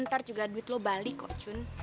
ntar juga duit lo bali kok cun